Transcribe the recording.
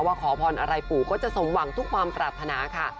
ขอพรอะไรปู่ก็จะสมหวังทุกความปรารถนาค่ะ